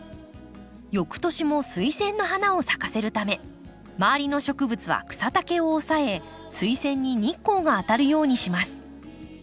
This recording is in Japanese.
翌年もスイセンの花を咲かせるため周りの植物は草丈を抑えスイセンに日光が当たるようにします。